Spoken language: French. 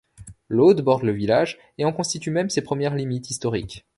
L'Aude borde le village et en constitue même ses premières limites historiques.